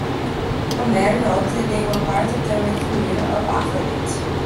Homer wrote that they were part of the retinue of Aphrodite.